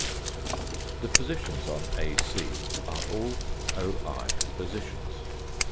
The positions on AC are all oi positions.